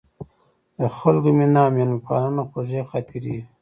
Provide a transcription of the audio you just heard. د خلکو مینه او میلمه پالنه خوږې خاطرې وې.